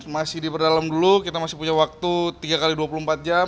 masih diperdalam dulu kita masih punya waktu tiga x dua puluh empat jam